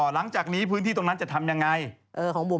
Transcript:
หลังจากนี้พื้นที่ตรงนั้นจะทำยังไง